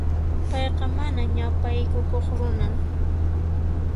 Payqa mana ñapaykukuq runan.